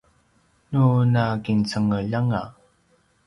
nu nakincengeljanga